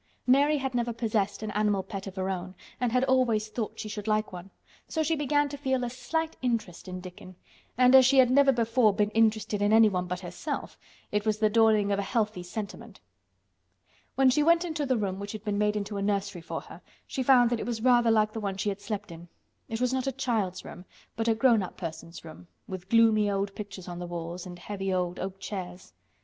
Mary had never possessed an animal pet of her own and had always thought she should like one. So she began to feel a slight interest in Dickon, and as she had never before been interested in anyone but herself, it was the dawning of a healthy sentiment. When she went into the room which had been made into a nursery for her, she found that it was rather like the one she had slept in. It was not a child's room, but a grown up person's room, with gloomy old pictures on the walls and heavy old oak chairs.